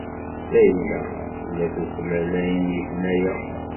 Layla tella tuklal ayen yifen aya.